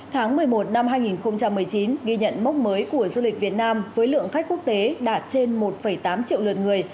tháng một mươi một năm hai nghìn một mươi chín ghi nhận mốc mới của du lịch việt nam với lượng khách quốc tế đạt trên một tám triệu lượt người